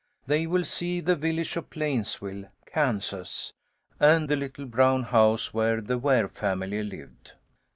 They will see the village of Plains ville, Kansas, and the little brown house where the Ware family lived.